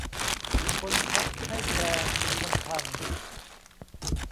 คนธรรพให้แปลงเป็นคนธรรพ์